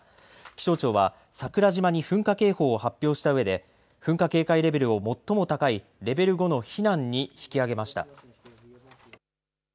気象庁は桜島に噴火警報を発表した上で噴火警戒レベルを最も高いレベル５の避難に引き上げました。